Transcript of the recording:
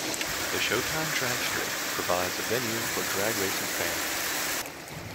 The Showtime Dragstrip provides a venue for drag racing fans.